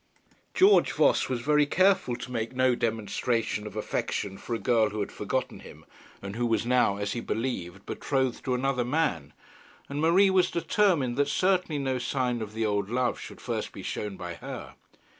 George Voss was very careful to make no demonstration of affection for a girl who had forgotten him, and who was now, as he believed, betrothed to another man; and Marie was determined that certainly no sign of the old love should first be shown by her.